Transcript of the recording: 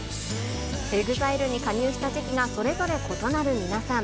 ＥＸＩＬＥに加入した時期がそれぞれ異なる皆さん。